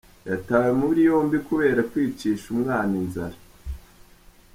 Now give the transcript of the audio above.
Yatawe muri yombi kubera kwicisha umwana inzara